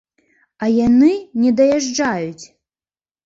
А яны не даязджаюць!